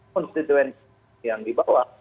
konstituen yang dibawa